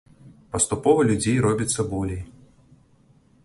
Паступова людзей робіцца болей.